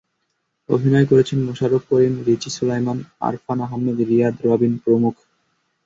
অভিনয় করেছেন মোশাররফ করিম, রিচি সোলায়মান, আরফান আহমেদ, রিয়াদ, রবিন প্রমুখ।